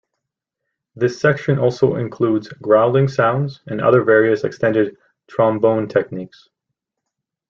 This section also includes growling sounds, and other various extended trombone techniques.